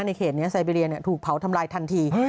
ในเขตนี้ไซเบรียถูกเผาทำลายทันที